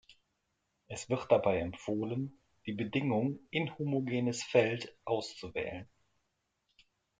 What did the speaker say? Es wird dabei empfohlen, die Bedingung inhomogenes Feld auszuwählen.